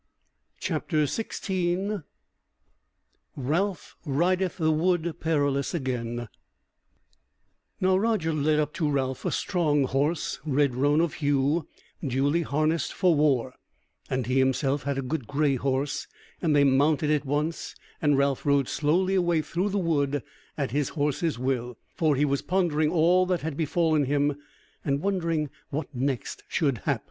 CHAPTER 16 Ralph Rideth the Wood Perilous Again Now Roger led up to Ralph a strong horse, red roan of hue, duly harnessed for war, and he himself had a good grey horse, and they mounted at once, and Ralph rode slowly away through the wood at his horse's will, for he was pondering all that had befallen him, and wondering what next should hap.